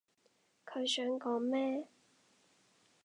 佢想講咩？